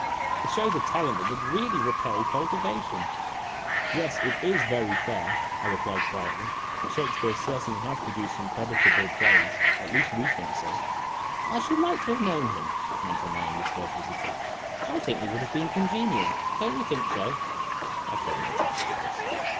It shows a talent that would well repay cultivation !" "Yes, it is very fair," I replied, quietly; " Shakspere certainly has produced some creditable plays at least, we think so." " I should like to have known him," went on my undisturbed A LOST OPPORTUNITY 79 visitor. " I think we would have been congenial. Don't you think so?" I paid no attention to this.